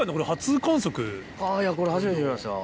これ初めて見ました。